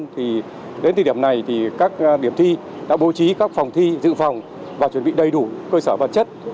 thì đến thời điểm này thì các điểm thi đã bố trí các phòng thi dự phòng và chuẩn bị đầy đủ cơ sở vật chất